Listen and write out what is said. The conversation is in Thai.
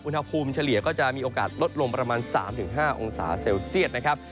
เฉลี่ยก็จะมีโอกาสลดลงประมาณ๓๕องศาเซลเซียตนะครับ